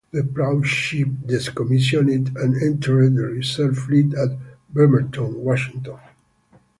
The proud ship decommissioned and entered the reserve fleet at Bremerton, Washington.